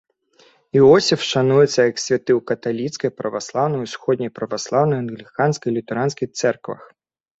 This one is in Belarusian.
Іосіф шануецца як святы ў каталіцкай, праваслаўнай, усходняй праваслаўнай, англіканскай, лютэранскай цэрквах.